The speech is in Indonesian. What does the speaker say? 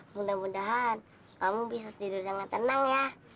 mudah mudahan kamu bisa tidur dengan tenang ya